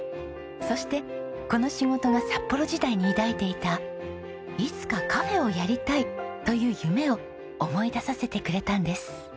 そしてこの仕事が札幌時代に抱いていた「いつかカフェをやりたい！」という夢を思い出させてくれたんです。